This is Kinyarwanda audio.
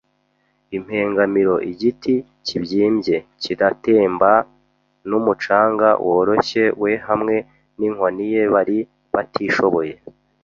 impengamiro, igiti kibyimbye kiratemba, n'umucanga woroshye, we hamwe n'inkoni ye bari batishoboye